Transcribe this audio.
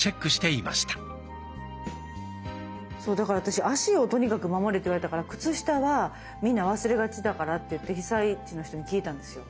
そうだから私足をとにかく守れって言われたから靴下はみんな忘れがちだからっていって被災地の人に聞いたんですよ。